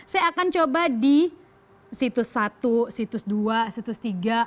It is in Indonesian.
saya akan coba di situs satu situs dua situs tiga